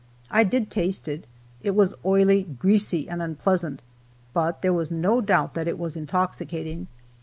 I did taste it. It was oily, greasy, and unpleasant, but there was no doubt that it was intoxicating.